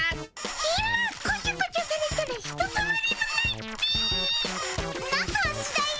今こちょこちょされたらひとたまりもないっピ。な感じだよ。